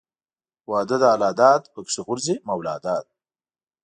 واده د الله داد پکښې غورځي مولاداد.